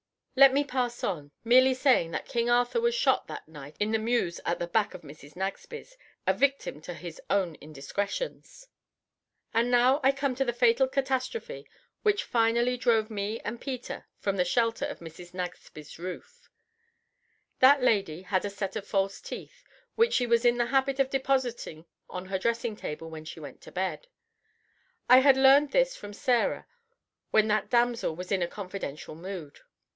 Let me pass on, merely saying that King Arthur was shot that night in the mews at the back of Mrs. Nagsby's, a victim to his own indiscretions. And now I come to the fatal catastrophe which finally drove me and Peter from the shelter of Mrs. Nagsby's roof. That lady had a set of false teeth which she was in the habit of depositing on her dressing table when she went to bed. I had learned this from Sarah when that damsel was in a confidential mood.